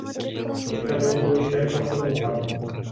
Учурда жол куруу иштери токтотулган.